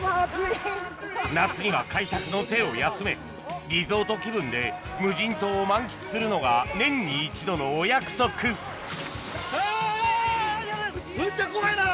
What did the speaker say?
夏には開拓の手を休めリゾート気分で無人島を満喫するのが年に１度のお約束あぁ！